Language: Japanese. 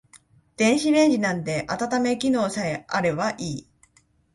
電子レンジなんて温め機能さえあればいい